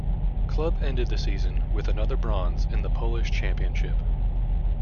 Club ended the season with another bronze in the Polish Championship.